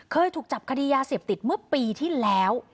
เคยถูกจับคดียาเสพติดเมื่อปีที่แล้ว